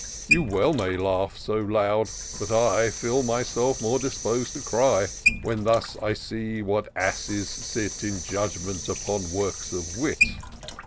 You well may laugh so loud, but I Feel myself more disposed to cry. When thus I see what asses sit In judgment upon works of wit.